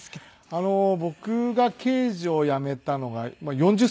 僕が刑事を辞めたのが４０歳の時。